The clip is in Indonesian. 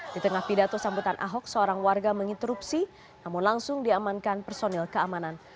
di tengah pidato sambutan ahok seorang warga menginterupsi namun langsung diamankan personil keamanan